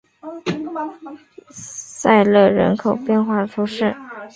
塞勒人口变化图示